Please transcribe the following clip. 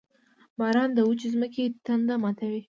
• باران د وچې ځمکې تنده ماتوي.